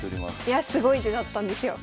いやすごい手だったんですよ。